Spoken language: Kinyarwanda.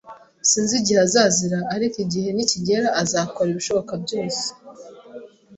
Sinzi igihe azazira, ariko igihe nikigera, azakora ibishoboka byose